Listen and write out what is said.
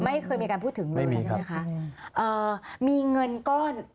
ไม่เคยมีการพูดถึงเลยนะคะไม่มีครับเอ่อมีเงินก้อน